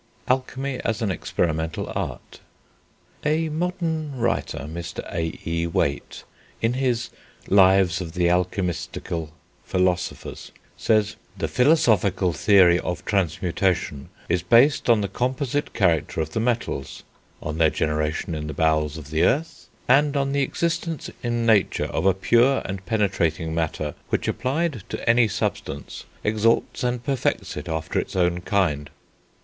ALCHEMY AS AN EXPERIMENTAL ART. A modern writer, Mr A.E. Waite, in his Lives of the Alchemystical Philosophers, says: "The physical theory of transmutation is based on the composite character of the metals, on their generation in the bowels of the earth, and on the existence in nature of a pure and penetrating matter which applied to any substance exalts and perfects it after its own kind."